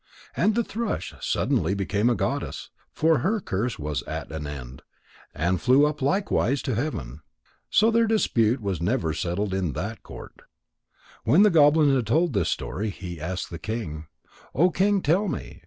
And the thrush suddenly became a goddess, for her curse was at an end, and flew up likewise to heaven. So their dispute was never settled at that court. When the goblin had told this story, he asked the king: "O King, tell me.